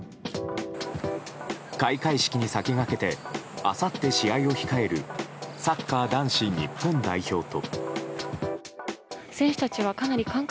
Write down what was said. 開会式に先駆けてあさって試合を控えるサッカー男子日本代表と。